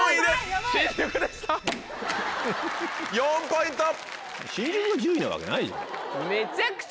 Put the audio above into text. ４ポイント。